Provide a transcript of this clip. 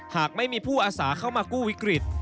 หากไม่มีผู้อาสาเข้ามากู้วิกฤต